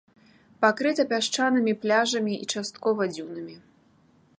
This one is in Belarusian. Пакрыта пясчанымі пляжамі і часткова дзюнамі.